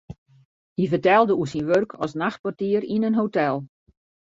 Hy fertelde oer syn wurk as nachtportier yn in hotel.